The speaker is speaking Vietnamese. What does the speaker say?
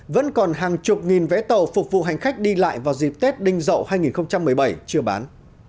vẫn còn hàng chục nghìn vé tàu phục vụ hành khách đi lại vào dịp tết đinh dậu hai nghìn một mươi bảy chưa bán